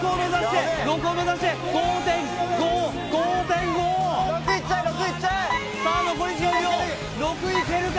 ５．５さあ残り１０秒６いけるか？